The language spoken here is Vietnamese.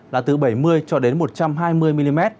là từ bảy mươi một trăm hai mươi mm